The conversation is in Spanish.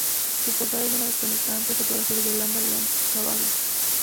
Su portada es una desconcertante fotografía de Yolanda Leal Cavazos.